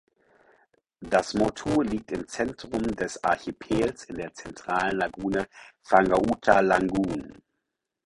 Das Motu liegt im Zentrum des Archipels in der zentralen Lagune "Fanga’uta Lagoon".